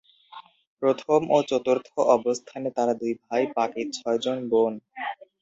প্রথম ও চতুর্থ অবস্থানে তারা দুই ভাই, বাকি ছয়জন বোন।